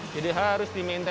jadi harus di maintain